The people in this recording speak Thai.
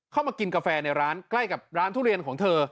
มากินกาแฟในร้านใกล้กับร้านทุเรียนของเธอ